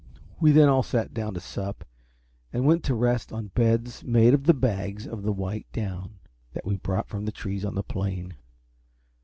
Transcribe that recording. We then all sat down to sup, and went to rest on beds made of the bags of the white down that we brought from the trees on the plain.